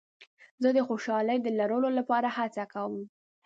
زه د خوشحالۍ د لرلو لپاره هڅه کوم.